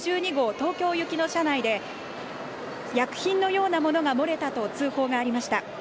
東京行きの車内で薬品のようなものが漏れたと通報がありました。